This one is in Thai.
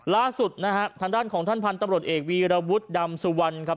ล่าสุดนะฮะทางด้านของท่านพันธุ์ตำรวจเอกวีรวุฒิดำสุวรรณครับ